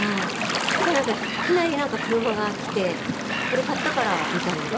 そしたらなんかいきなり車が来て「これ買ったから」みたいな。